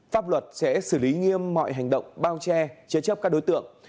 pháp luật sẽ xử lý nghiêm mọi hành động bao che chế chấp các đối tượng